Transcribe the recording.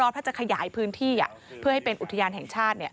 ถ้าจะขยายพื้นที่เพื่อให้เป็นอุทยานแห่งชาติ